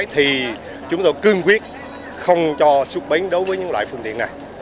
thì chúng tôi cương quyết không cho xuất bến đối với những loại phương tiện này